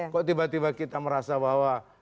kok tiba tiba kita merasa bahwa